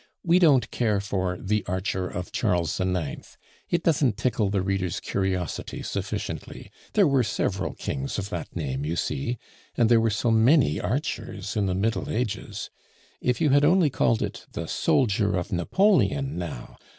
We don't care for The Archer of Charles IX.; it doesn't tickle the reader's curiosity sufficiently; there were several kings of that name, you see, and there were so many archers in the Middle Ages. If you had only called it the Soldier of Napoleon, now!